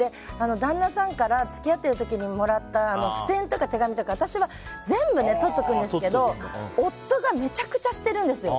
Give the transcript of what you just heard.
旦那さんから付き合っている時にもらった付箋とか手紙とか私は全部、とっておくんですけど夫がめちゃくちゃ捨てるんですよ。